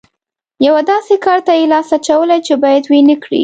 یوه داسې کار ته یې لاس اچولی چې بايد ويې نه کړي.